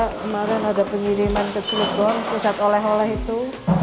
kemarin ada pengiriman ke cilebon pusat oleh oleh itu